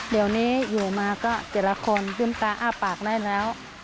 เดี๋ยวนี้อยู่มาก็แต่ละคนลืมตาอ้าปากได้แล้ว